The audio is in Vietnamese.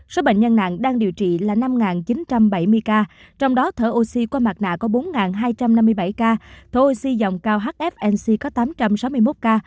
số bệnh nhân nạn đang điều trị là năm chín trăm bảy mươi ca trong đó thở oxy qua mặt nạ có bốn hai trăm năm mươi bảy ca thở oxy dòng cao hfnc có tám trăm sáu mươi một ca